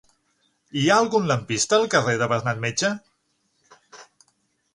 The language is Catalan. Hi ha algun lampista al carrer de Bernat Metge?